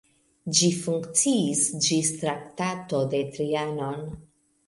Ĝi funkciis ĝis Traktato de Trianon.